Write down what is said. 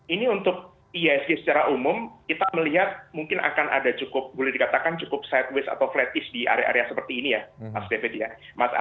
ini untuk ihsg secara umum kita melihat mungkin akan ada cukup boleh dikatakan cukup sideways atau flatis di area area seperti ini ya mas david ya